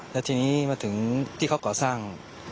แล้วทีนี้มาถึงที่เขาก่อสร้าง